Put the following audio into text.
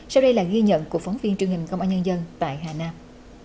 sau đây là ghi nhận của phóng viên truyền hình công an nhân dân tại hà nam